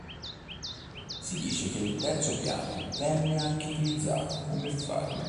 Si dice che il terzo piano venne anche utilizzato come faro.